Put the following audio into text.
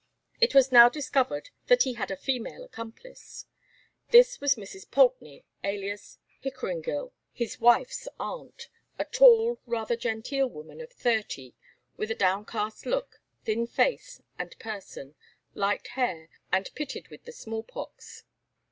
It was now discovered that he had a female accomplice. This was a Mrs. Poultney, alias Hickeringill, his wife's aunt, a tall, rather genteel woman of thirty, with a downcast look, thin face and person, light hair, and pitted with the small pox.